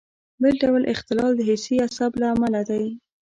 بل ډول اختلال د حسي عصب له امله دی.